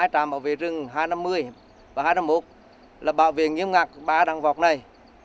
hai trạm bảo vệ rừng hai trăm năm mươi và hai trăm năm mươi một là bảo vệ nghiêm ngặt ba rng vọc này